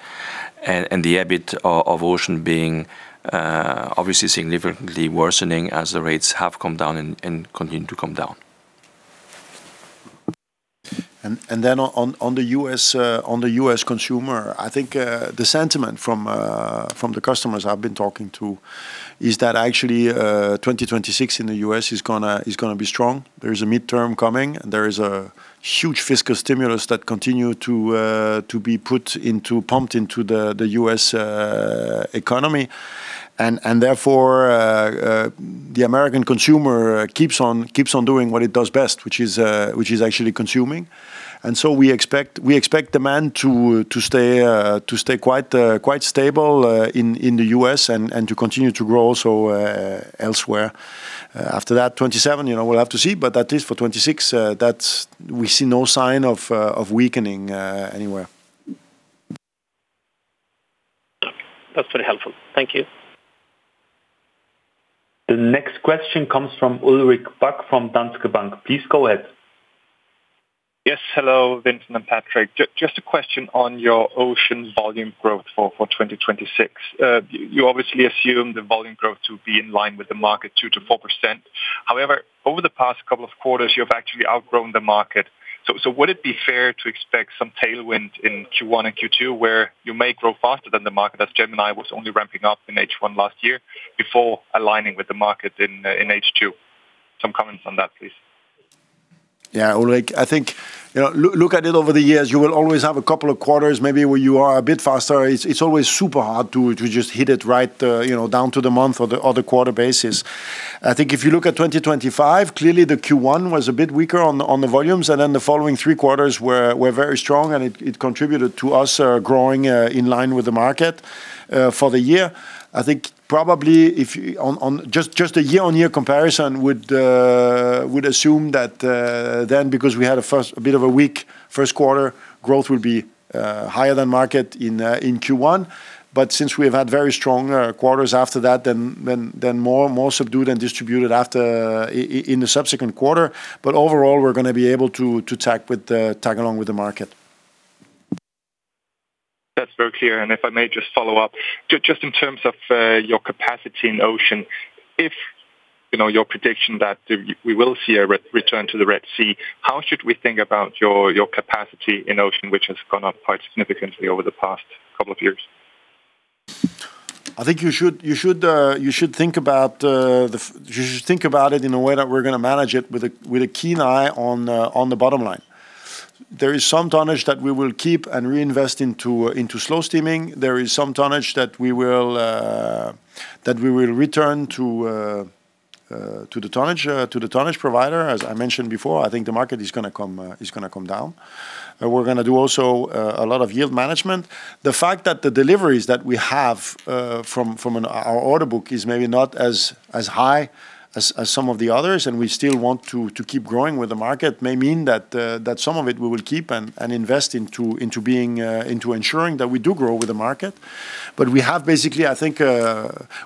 and the EBIT of Ocean being obviously significantly worsening as the rates have come down and continue to come down. Then on the U.S. consumer, I think the sentiment from the customers I've been talking to is that actually, 2026 in the U.S. is gonna be strong. There is a midterm coming. There is a huge fiscal stimulus that continue to be put into, pumped into the U.S. economy. And therefore, the American consumer keeps on doing what it does best, which is actually consuming. And so we expect demand to stay quite stable in the U.S. and to continue to grow also elsewhere. After that, 2027, you know, we'll have to see, but that is for 2026. That's, we see no sign of weakening anywhere. That's very helpful. Thank you. The next question comes from Ulrik Bak from Danske Bank. Please go ahead. Yes, hello, Vincent and Patrick. Just a question on your Ocean volume growth for 2026. You obviously assume the volume growth to be in line with the market, 2%-4%. However, over the past couple of quarters, you have actually outgrown the market. So would it be fair to expect some tailwind in Q1 and Q2, where you may grow faster than the market, as Gemini was only ramping up in H1 last year before aligning with the market in H2? Some comments on that, please. ...Yeah, Ulrik, I think, you know, look, look at it over the years, you will always have a couple of quarters, maybe where you are a bit faster. It's always super hard to just hit it right, you know, down to the month or the quarter basis. I think if you look at 2025, clearly the Q1 was a bit weaker on the volumes, and then the following 3 quarters were very strong, and it contributed to us growing in line with the market. For the year, I think probably if on just a year-on-year comparison would assume that then because we had a first, a bit of a weak first quarter, growth would be higher than market in Q1. But since we have had very strong quarters after that, then more subdued and distributed after, in the subsequent quarter. But overall, we're gonna be able to tag along with the market. That's very clear. And if I may just follow up, just in terms of your capacity in Ocean, if you know your prediction that we will see a return to the Red Sea, how should we think about your capacity in Ocean, which has gone up quite significantly over the past couple of years? I think you should think about it in a way that we're gonna manage it with a keen eye on the bottom line. There is some tonnage that we will keep and reinvest into slow steaming. There is some tonnage that we will return to the tonnage provider. As I mentioned before, I think the market is gonna come down. We're gonna do also a lot of yield management. The fact that the deliveries that we have from our order book is maybe not as high as some of the others, and we still want to keep growing with the market, may mean that some of it we will keep and invest into ensuring that we do grow with the market. But we have basically, I think,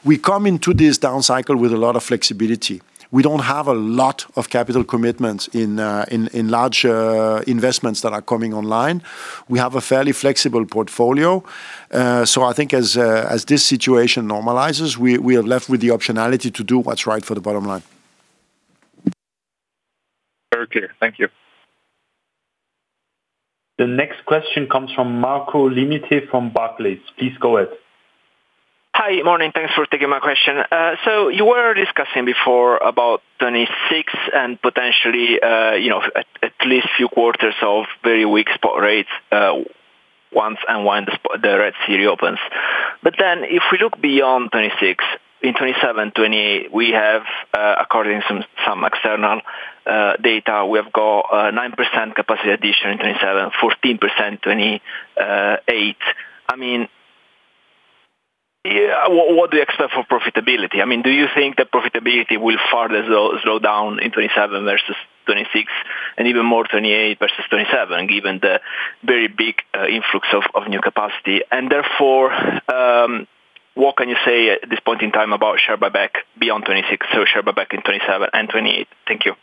we come into this down cycle with a lot of flexibility. We don't have a lot of capital commitments in large investments that are coming online. We have a fairly flexible portfolio. So I think as this situation normalizes, we are left with the optionality to do what's right for the bottom line. Very clear. Thank you. The next question comes from Marco Limiti from Barclays. Please go ahead. Hi, morning. Thanks for taking my question. So you were discussing before about 2026 and potentially, you know, at least a few quarters of very weak spot rates, once and when the Red Sea reopens. But then if we look beyond 2026, in 2027, 2028, we have, according to some external data, we have got, 9% capacity addition in 2027, 14% 2028. I mean, yeah, what do you expect for profitability? I mean, do you think the profitability will further slow down in 2027 versus 2026, and even more 2028 versus 2027, given the very big influx of new capacity? And therefore, what can you say at this point in time about share buyback beyond 2026, so share buyback in 2027 and 2028? Thank you.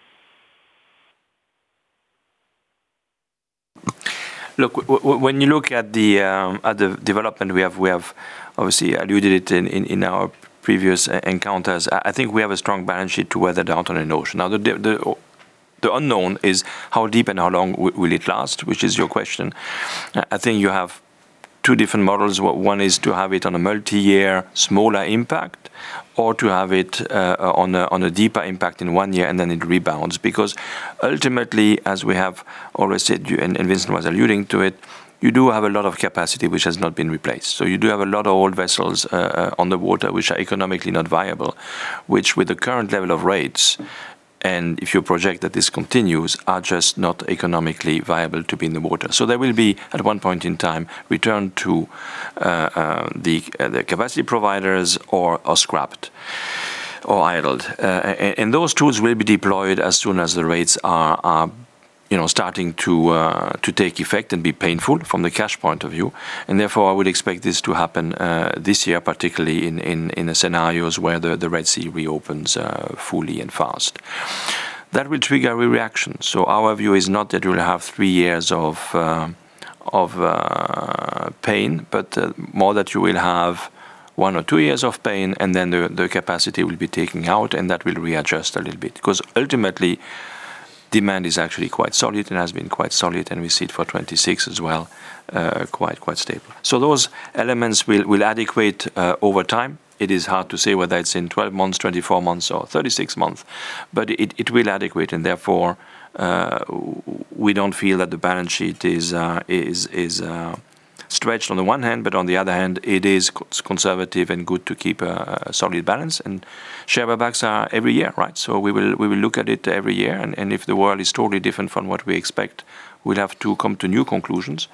Look, when you look at the development, we have obviously alluded to it in our previous encounters. I think we have a strong balance sheet to weather the downturn in Ocean. Now, the unknown is how deep and how long will it last, which is your question. I think you have two different models. One is to have it on a multi-year, smaller impact, or to have it on a deeper impact in one year, and then it rebounds. Because ultimately, as we have already said, and Vincent was alluding to it, you do have a lot of capacity which has not been replaced. You do have a lot of old vessels on the water, which are economically not viable, which with the current level of rates, and if you project that this continues, are just not economically viable to be in the water. They will be, at one point in time, returned to the capacity providers or scrapped or idled. Those tools will be deployed as soon as the rates are, you know, starting to take effect and be painful from the cash point of view. Therefore, I would expect this to happen this year, particularly in the scenarios where the Red Sea reopens fully and fast. That will trigger a reaction. So our view is not that you'll have 3 years of pain, but more that you will have 1 or 2 years of pain, and then the capacity will be taken out, and that will readjust a little bit. Because ultimately, demand is actually quite solid and has been quite solid, and we see it for 2026 as well, quite stable. So those elements will abate over time. It is hard to say whether it's in 12 months, 24 months, or 36 months, but it will abate. And therefore, we don't feel that the balance sheet is stretched on the one hand, but on the other hand, it is conservative and good to keep a solid balance, and share buybacks are every year, right? So we will look at it every year, and if the world is totally different from what we expect, we'll have to come to new conclusions.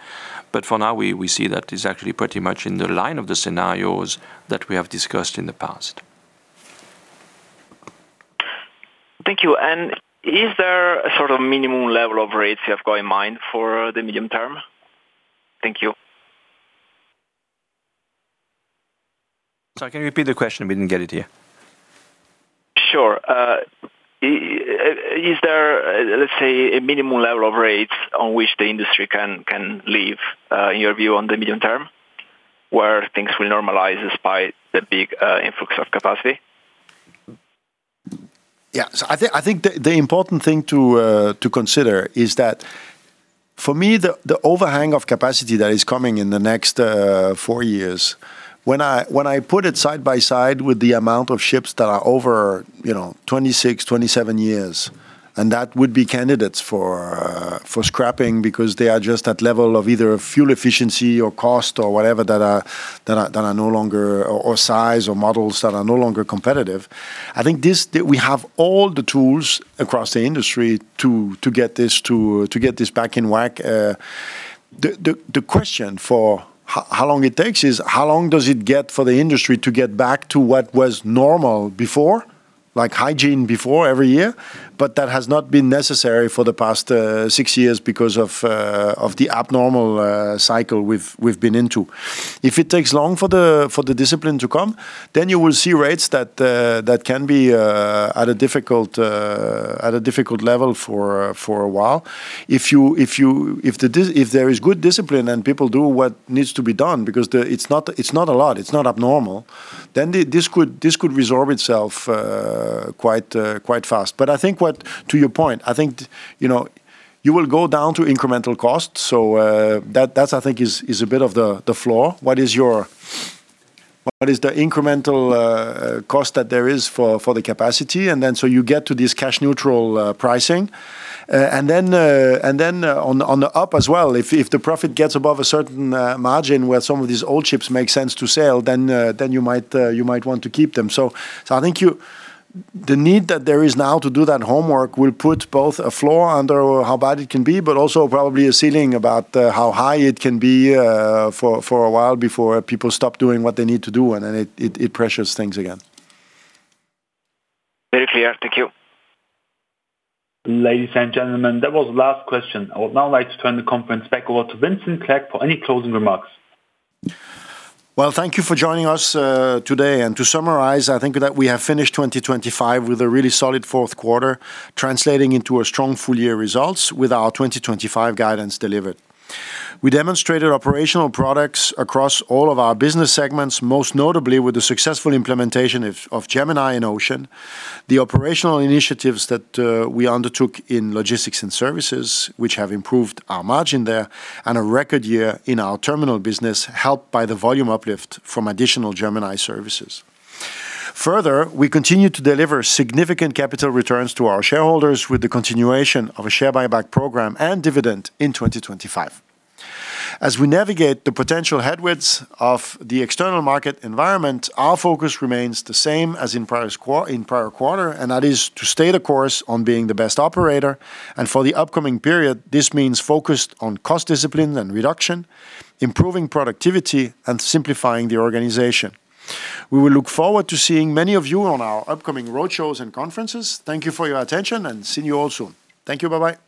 But for now, we see that it's actually pretty much in the line of the scenarios that we have discussed in the past. Thank you. Is there a sort of minimum level of rates you have got in mind for the medium term? Thank you. Sorry, can you repeat the question? We didn't get it here. Sure. Is there, let's say, a minimum level of rates on which the industry can live, in your view, on the medium term, where things will normalize despite the big influx of capacity? Yeah. So I think the important thing to consider is that for me, the overhang of capacity that is coming in the next 4 years, when I put it side by side with the amount of ships that are over, you know, 26, 27 years, and that would be candidates for scrapping because they are just at level of either fuel efficiency or cost or whatever, that are no longer, or size or models that are no longer competitive. I think this, we have all the tools across the industry to get this back in whack. The question for how long it takes is: How long does it get for the industry to get back to what was normal before, like hygiene before every year? But that has not been necessary for the past six years because of the abnormal cycle we've been into. If it takes long for the discipline to come, then you will see rates that can be at a difficult level for a while. If there is good discipline and people do what needs to be done, because the... It's not a lot, it's not abnormal, then this could resolve itself quite fast. But I think what— To your point, I think, you know, you will go down to incremental cost, so, that, that's I think is a bit of the floor. What is your— what is the incremental cost that there is for the capacity? And then, so you get to this cash neutral pricing. And then, on the up as well, if the profit gets above a certain margin where some of these old ships make sense to sell, then you might want to keep them. So, I think the need that there is now to do that homework will put both a floor under how bad it can be, but also probably a ceiling about how high it can be for a while before people stop doing what they need to do, and then it pressures things again. Very clear. Thank you. Ladies and gentlemen, that was the last question. I would now like to turn the conference back over to Vincent Clerc for any closing remarks. Well, thank you for joining us today. To summarize, I think that we have finished 2025 with a really solid fourth quarter, translating into a strong full-year results with our 2025 guidance delivered. We demonstrated operational profits across all of our business segments, most notably with the successful implementation of Gemini and Ocean, the operational initiatives that we Logistics & Services, which have improved our margin there, and a record year in our Terminal business, helped by the volume uplift from additional Gemini services. Further, we continued to deliver significant capital returns to our shareholders with the continuation of a share buyback program and dividend in 2025. As we navigate the potential headwinds of the external market environment, our focus remains the same as in prior quarter, and that is to stay the course on being the best operator, and for the upcoming period, this means focused on cost discipline and reduction, improving productivity, and simplifying the organization. We will look forward to seeing many of you on our upcoming roadshows and conferences. Thank you for your attention, and see you all soon. Thank you. Bye-bye.